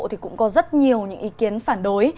thì cũng có rất nhiều những ý kiến phản đối